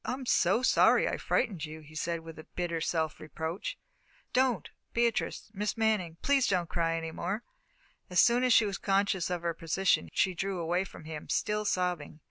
"I'm so sorry I frightened you," he said, with bitter self reproach. "Don't, Beatrice Miss Manning, please don't cry any more!" As soon as she was conscious of her position, she drew away from him, still sobbing.